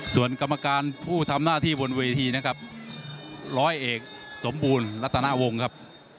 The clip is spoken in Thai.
ส่วนกรรมการผู้ทำหน้าที่บนเวทีนะครับร้อยเอกสมบูรณ์รัฐนาวงศ์ครับ